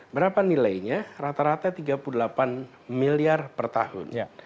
berapa nilainya rata rata tiga puluh delapan miliar per tahun